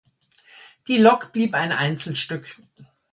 Die Lok blieb ein Einzelstück.